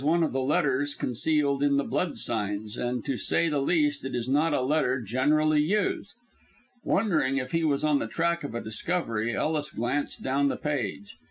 This was one of the letters concealed in the blood signs, and to say the least it is not a letter generally used. Wondering if he was on the track of a discovery, Ellis glanced down the page.